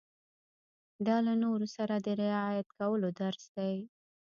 دا له نورو سره د رعايت کولو درس دی.